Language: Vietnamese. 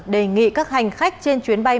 đề nghị các hành khách trên chuyến bay